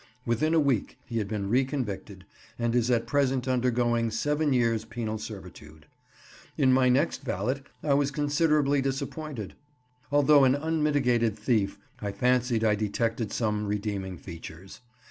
Within a week he had been re convicted, and is at present undergoing seven years' penal servitude. In my next valet I was considerably disappointed. Although an unmitigated thief, I fancied I detected some redeeming features.